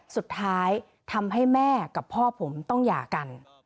สุดท้ายทำให้แม่กับพ่อผมต้องหย่ากัน